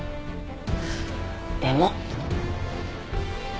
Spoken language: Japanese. でも。